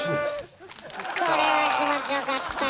これは気持ちよかった。